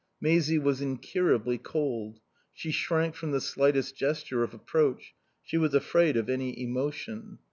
Maisie was incurably cold. She shrank from the slightest gesture of approach; she was afraid of any emotion.